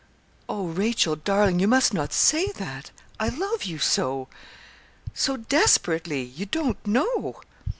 'Oh! Rachel, darling, you must not say that I love you so so desperately, you don't know.'